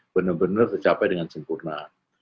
benar benar tercapai dengan sempurna